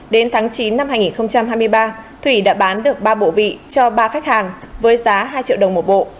đến tháng chín năm hai nghìn hai mươi ba thủy đã bán được ba bộ vị cho ba khách hàng với giá hai triệu đồng một bộ